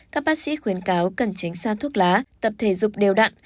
các bác sĩ khuyến cáo cần tránh san thuốc lá tập thể dục đều đặn